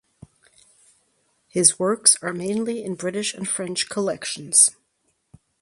His works are mainly in British and French collections.